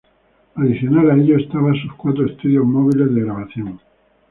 Adicional a ello, estaba sus cuatro estudios móviles de grabación.